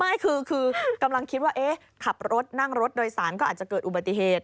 ไม่คือกำลังคิดว่าขับรถนั่งรถโดยสารก็อาจจะเกิดอุบัติเหตุ